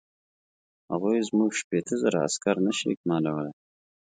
هغوی زموږ شپېته زره عسکر نه شي اکمالولای.